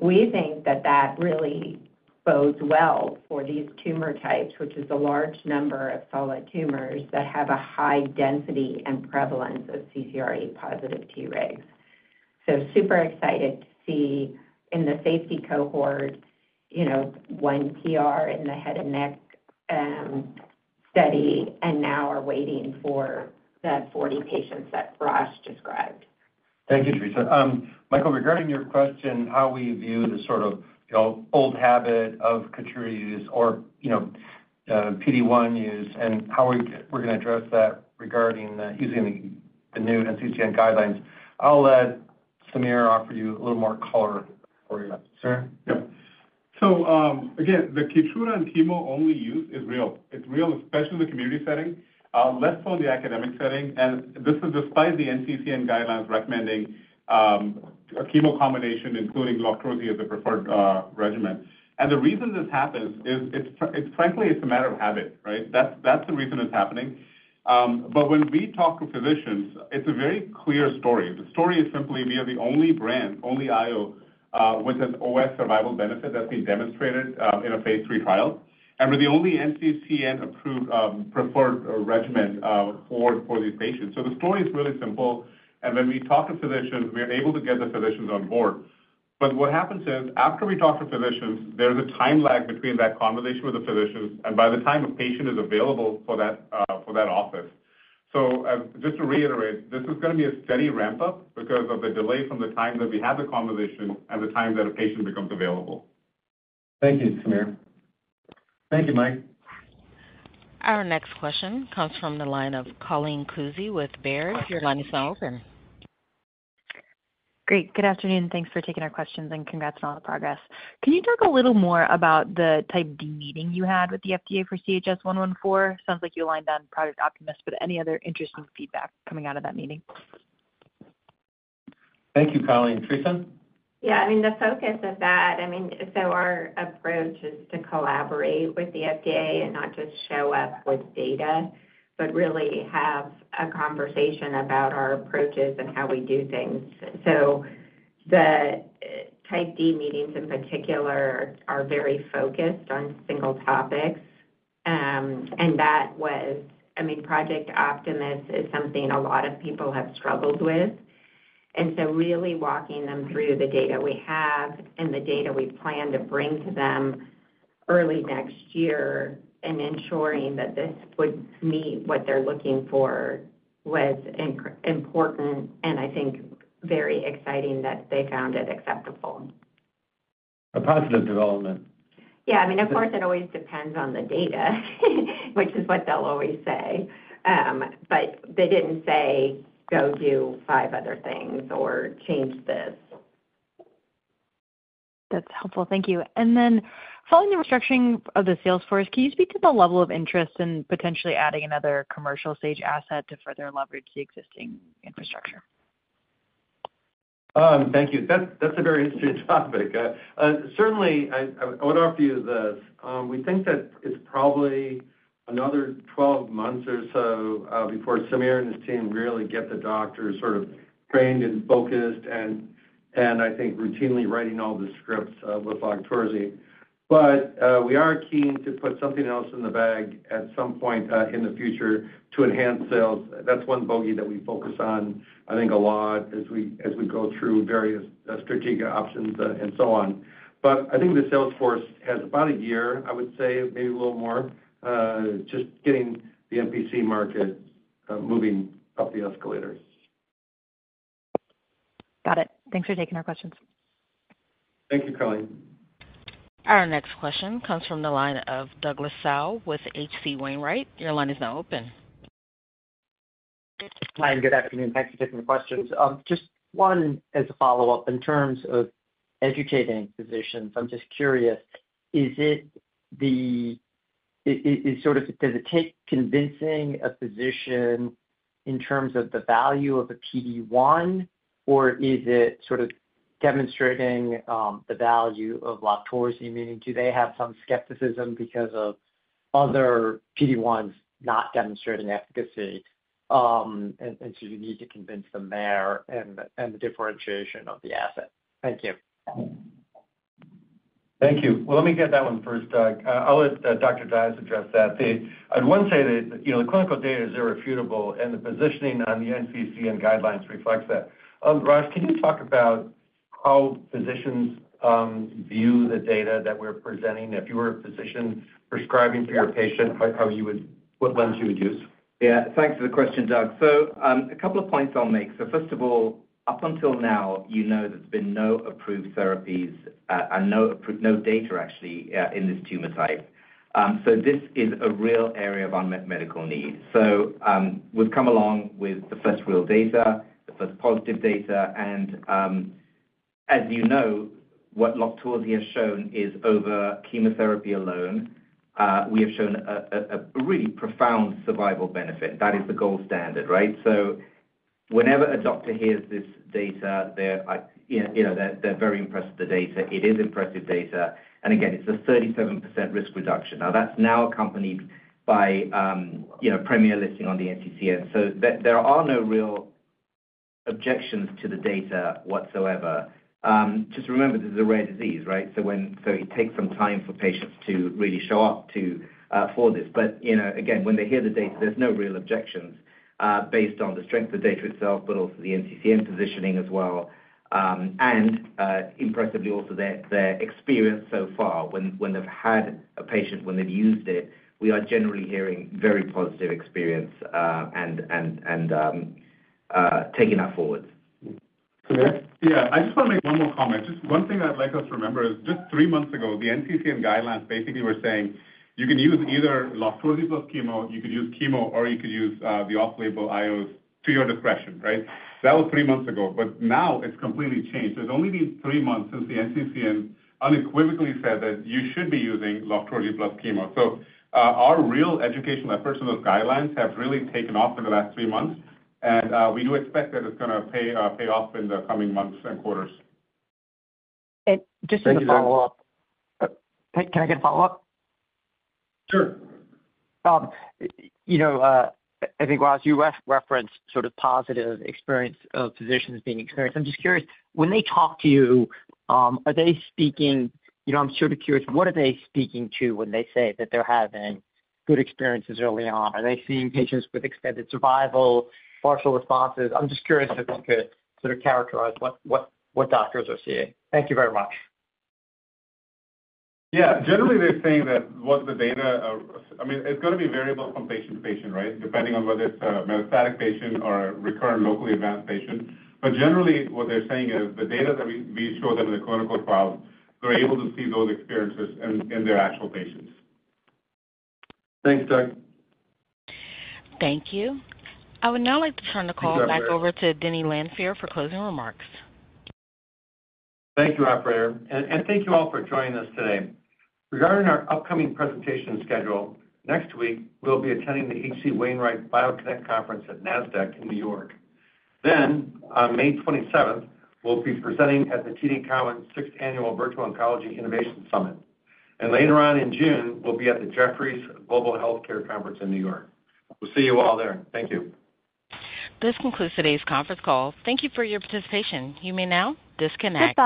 We think that that really bodes well for these tumor types, which is a large number of solid tumors that have a high density and prevalence of CCR8-positive Tregs. Super excited to see in the safety cohort, one PR in the head and neck study, and now we're waiting for the 40 patients that Rosh described. Thank you, Theresa. Michael, regarding your question, how we view the sort of old habit of Keytruda use or PD-1 use and how we're going to address that regarding using the new NCCN guidelines, I'll let Sameer offer you a little more color for you. Sure. Yep. Again, the Keytruda and chemo only use is real. It's real, especially in the community setting, less so in the academic setting. This is despite the NCCN guidelines recommending a chemo combination, including LOQTORZI as a preferred regimen. The reason this happens is, frankly, it's a matter of habit, right? That's the reason it's happening. When we talk to physicians, it's a very clear story. The story is simply we are the only brand, only IO, which has OS survival benefit that's been demonstrated in a phase three trial. We're the only NCCN-preferred regimen for these patients. The story is really simple. When we talk to physicians, we are able to get the physicians on board. What happens is, after we talk to physicians, there's a time lag between that conversation with the physicians and by the time a patient is available for that office. Just to reiterate, this is going to be a steady ramp-up because of the delay from the time that we have the conversation and the time that a patient becomes available. Thank you, Sameer. Thank you, Mike. Our next question comes from the line of Colleen Kusy with Baird. Your line is now open. Great. Good afternoon. Thanks for taking our questions and congrats on all the progress. Can you talk a little more about the Type D meeting you had with the FDA for CHS-114? Sounds like you aligned on Project Optimus, but any other interesting feedback coming out of that meeting? Thank you, Colleen. Theresa? Yeah. I mean, the focus of that, I mean, our approach is to collaborate with the FDA and not just show up with data, but really have a conversation about our approaches and how we do things. The Type D meetings in particular are very focused on single topics. That was, I mean, Project Optimus is something a lot of people have struggled with. Really walking them through the data we have and the data we plan to bring to them early next year and ensuring that this would meet what they're looking for was important, and I think very exciting that they found it acceptable. A positive development. Yeah. I mean, of course, it always depends on the data, which is what they'll always say. They didn't say, "Go do five other things or change this. That's helpful. Thank you. Following the restructuring of the sales force, can you speak to the level of interest in potentially adding another commercial stage asset to further leverage the existing infrastructure? Thank you. That's a very interesting topic. Certainly, I would offer you this. We think that it's probably another 12 months or so before Sameer and his team really get the doctor sort of trained and focused and, I think, routinely writing all the scripts with LOQTORZI. We are keen to put something else in the bag at some point in the future to enhance sales. That's one bogey that we focus on, I think, a lot as we go through various strategic options and so on. I think the sales force has about a year, I would say, maybe a little more, just getting the NPC market moving up the escalators. Got it. Thanks for taking our questions. Thank you, Colleen. Our next question comes from the line of Douglas Tsao with H.C. Wainwright. Your line is now open. Hi, and good afternoon. Thanks for taking the questions. Just one as a follow-up. In terms of educating physicians, I'm just curious, is it sort of does it take convincing a physician in terms of the value of a PD-1, or is it sort of demonstrating the value of LOQTORZI? Meaning, do they have some skepticism because of other PD-1s not demonstrating efficacy? And so you need to convince them there and the differentiation of the asset. Thank you. Thank you. Let me get that one first. I'll let Dr. Dias address that. I'd want to say that the clinical data is irrefutable, and the positioning on the NCCN guidelines reflects that. Rosh, can you talk about how physicians view the data that we're presenting? If you were a physician prescribing for your patient, what lens you would use? Yeah. Thanks for the question, Doug. A couple of points I'll make. First of all, up until now, you know there's been no approved therapies and no data actually in this tumor type. This is a real area of unmet medical need. We've come along with the first real data, the first positive data. As you know, what LOQTORZI has shown is over chemotherapy alone, we have shown a really profound survival benefit. That is the gold standard, right? Whenever a doctor hears this data, they're very impressed with the data. It is impressive data. Again, it's a 37% risk reduction. Now, that's now accompanied by premier listing on the NCCN. There are no real objections to the data whatsoever. Just remember, this is a rare disease, right? It takes some time for patients to really show up for this. Again, when they hear the data, there's no real objections based on the strength of the data itself, but also the NCCN positioning as well. Impressively, also their experience so far, when they've had a patient, when they've used it, we are generally hearing very positive experience and taking that forward. Sameer? Yeah. I just want to make one more comment. Just one thing I'd like us to remember is just three months ago, the NCCN Guidelines basically were saying you can use either LOQTORZI plus chemo, you could use chemo, or you could use the off-label IOs to your discretion, right? That was three months ago. Now it's completely changed. There's only been three months since the NCCN unequivocally said that you should be using LOQTORZI plus chemo. Our real educational efforts in those guidelines have really taken off in the last three months. We do expect that it's going to pay off in the coming months and quarters. Just a follow-up. Can I get a follow-up? Sure. I think, Rosh, you referenced sort of positive experience of physicians being experienced. I'm just curious, when they talk to you, are they speaking, I'm sort of curious, what are they speaking to when they say that they're having good experiences early on? Are they seeing patients with extended survival, partial responses? I'm just curious if you could sort of characterize what doctors are seeing. Thank you very much. Yeah. Generally, they're saying that what the data, I mean, it's going to be variable from patient to patient, right, depending on whether it's a metastatic patient or a recurrent locally advanced patient. Generally, what they're saying is the data that we show them in the clinical trials, they're able to see those experiences in their actual patients. Thanks, Doug. Thank you. I would now like to turn the call back over to Denny Lanfear for closing remarks. Thank you, Operator. And thank you all for joining us today. Regarding our upcoming presentation schedule, next week, we'll be attending the H.C. Wainwright BioConnect Conference at NASDAQ in New York. Then, on May 27, we'll be presenting at the TD Cowen 6th Annual Virtual Oncology Innovation Summit. And later on in June, we'll be at the Jefferies Global Healthcare Conference in New York. We'll see you all there. Thank you. This concludes today's conference call. Thank you for your participation. You may now disconnect.